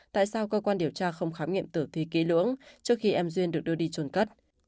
tại sao cơ quan điều tra không khám nghiệm tử thi ký lưỡng trước khi em duyên được đưa đi trôn cất